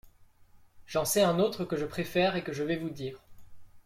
J'en sais un autre que je préfère et que je vais vous dire.